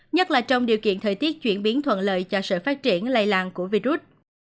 nhất là trong điều kiện thời tiết chuyển biến thuận lợi cho sự phát triển lây lan của virus